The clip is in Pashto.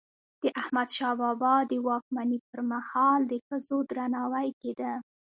د احمدشاه بابا د واکمني پر مهال د ښځو درناوی کيده.